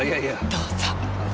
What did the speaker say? どうぞ。